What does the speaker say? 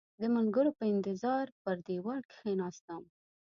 د ملګرو په انتظار پر دېوال کېناستم.